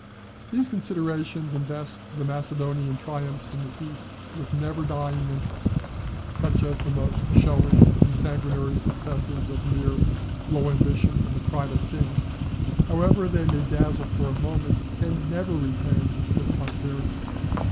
] These considerations invest the Macedonian triumphs in the East with never dying interest, such as the most showy and sanguinary successes of mere "low ambition and the pride of kings," however they may dazzle for a moment, can never retain with posterity.